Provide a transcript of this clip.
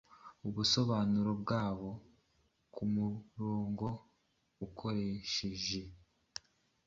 Ubusobanuro nyabwo kumurongo-ukoresheje